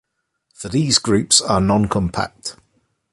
For these groups are noncompact.